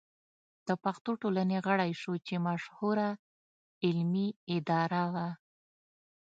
د پښتو ټولنې غړی شو چې مشهوره علمي اداره وه.